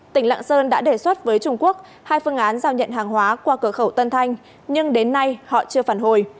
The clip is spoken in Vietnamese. tỉnh lạng sơn đã đề xuất với trung quốc hai phương án giao nhận hàng hóa qua cửa khẩu tân thanh nhưng đến nay họ chưa phản hồi